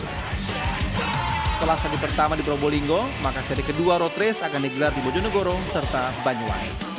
setelah seri pertama di probolinggo maka seri kedua road race akan digelar di bojonegoro serta banyuwangi